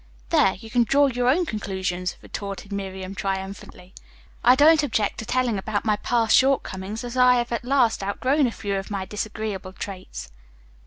"There, you can draw your own conclusions," retorted Miriam triumphantly. "I don't object to telling about my past shortcomings as I have at last outgrown a few of my disagreeable traits."